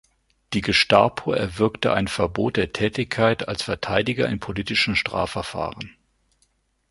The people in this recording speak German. Die Gestapo erwirkte ein Verbot der Tätigkeit als Verteidiger in politischen Strafverfahren.